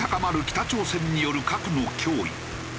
北朝鮮による核の脅威。